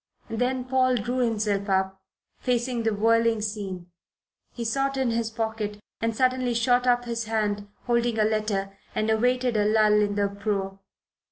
Then Paul drew himself up, facing the whirling scene. He sought in his pockets and suddenly shot up his hand, holding a letter, and awaited a lull in the uproar.